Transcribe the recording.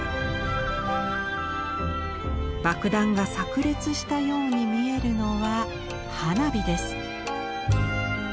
爆弾がさく裂したように見えるのは花火です。